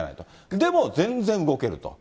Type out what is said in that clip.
でも全然動けると。